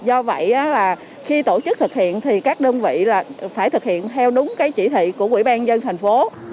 do vậy khi tổ chức thực hiện các đơn vị phải thực hiện theo đúng chỉ thị của quỹ ban dân thành phố